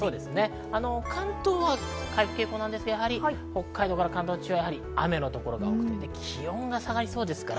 関東は回復傾向ですが、北海道から関東地方は雨の所が多くて、気温が下がりそうです。